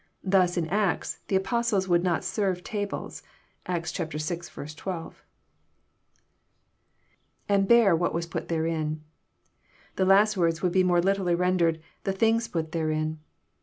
Thus in Acts, the Apostles would not " serve tables." (Acts vi. 2.) lAnd bare what was put therein,'] The last words would be more literally rendered, "the things put therein."